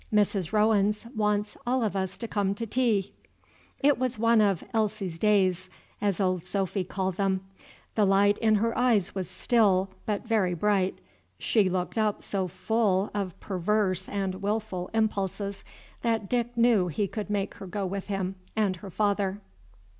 "Mrs. Rowens wants us all to come to tea." It was one of "Elsie's days," as old Sophy called them. The light in her eyes was still, but very bright. She looked up so full of perverse and wilful impulses, that Dick knew he could make her go with him and her father.